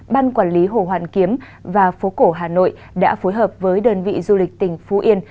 ban quản lý hồ hoàn kiếm và phố cổ hà nội đã phối hợp với đơn vị du lịch tỉnh phú yên